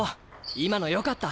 今のよかった。